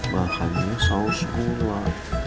bahannya saus gula